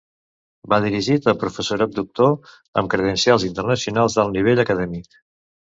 Va dirigit a professorat doctor, amb credencials internacionals d'alt nivell acadèmic.